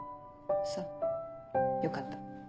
そうよかった。